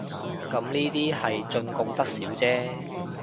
咁呢啲係進貢得少姐